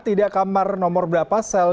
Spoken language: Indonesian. tidak kamar nomor berapa sel